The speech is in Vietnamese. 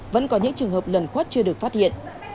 vẫn có những trường hợp lần khuất chưa được phát hiện